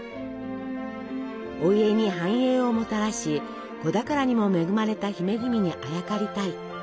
お家に繁栄をもたらし子宝にも恵まれた姫君にあやかりたい。